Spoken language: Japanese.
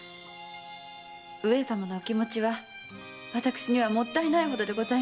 上様のお気持ちは私にはもったいないほどでございます。